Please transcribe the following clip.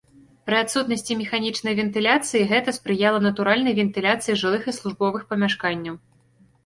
Пры адсутнасці механічнай вентыляцыі гэта спрыяла натуральнай вентыляцыі жылых і службовых памяшканняў.